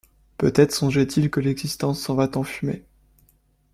Peut-être songeait-il que l’existence s’en va en fumée.